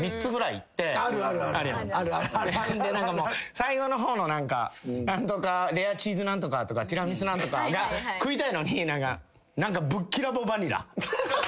最後の方の何か「レアチーズ何とか」とか「ティラミス何とか」が食いたいのに何か。